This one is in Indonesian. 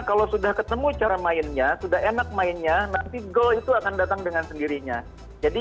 kalau sudah ketemu cara mainnya sudah enak mainnya nanti gol itu akan datang dengan sendirinya jadi